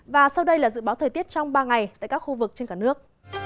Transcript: và sau đây là dự báo thời tiết trong ba ngày tại các khu vực trên cả nước